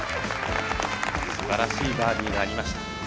すばらしいバーディーがありました。